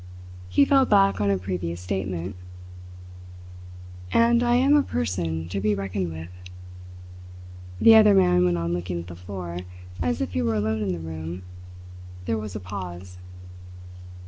He fell back on a previous statement: "And I am a person to be reckoned with." The other man went on looking at the floor, as if he were alone in the room. There was a pause.